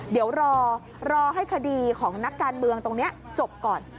เดี๋ยวรอให้คดีของนักการเมืองตรงนี้จบก่อน